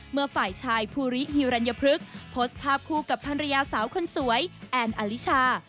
เมื่อฝ่ายชายภูริฮิรัญพฤกษ์โพสต์ภาพคู่กับภรรยาสาวคนสวยแอนอลิชา